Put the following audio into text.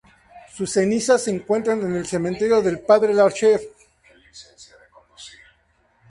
Sus cenizas se encuentran en el cementerio del Padre-Lachaise.